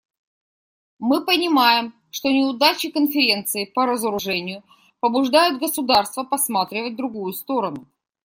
Мы понимаем, что неудачи Конференции по разоружению побуждают государства посматривать в другую сторону.